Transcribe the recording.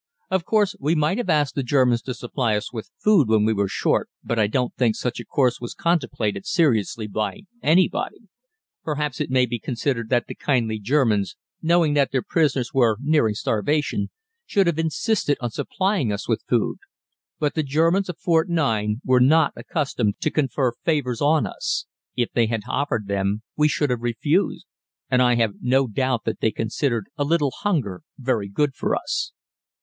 Of course we might have asked the Germans to supply us with food when we were short, but I don't think such a course was contemplated seriously by anybody. Perhaps it may be considered that the kindly Germans, knowing that their prisoners were nearing starvation, should have insisted on supplying us with food. But the Germans of Fort 9 were not accustomed to confer favors on us if they had offered them we should have refused and I have no doubt that they considered a little hunger very good for us.